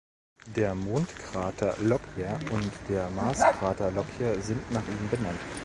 Der Mondkrater Lockyer und der Marskrater Lockyer sind nach ihm benannt.